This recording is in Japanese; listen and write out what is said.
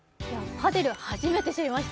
パデル、初めて知りました。